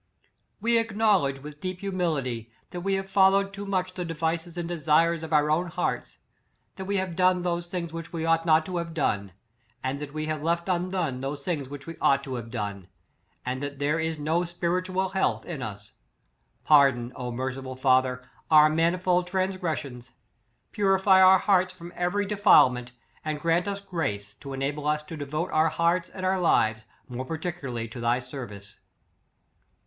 " We acknowledge, with deep humility, that we have followed too much the de vices and desires of our own hearts; that we have done those things which we ought not to have done; and that we have left undone those things which we ought to have done; and that there is no spiritu al health in us. Pardon, O merciful fa ther, our manifold transgressions; purify our hearts from every defilement, and grant us grace, to enable us to devote our hearts and our lives more particularly to thy service.